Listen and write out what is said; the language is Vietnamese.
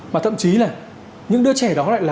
mà thậm chí là những đứa trẻ đó lại là